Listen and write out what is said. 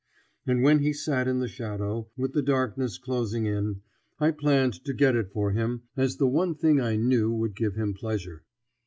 And when he sat in the shadow, with the darkness closing in, I planned to get it for him as the one thing I knew would give him pleasure.